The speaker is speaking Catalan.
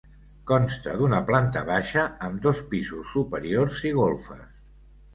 Consta d'una planta baixa, amb dos pisos superiors i golfes.